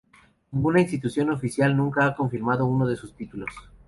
Ninguna institución oficial nunca ha confirmado uno de sus títulos.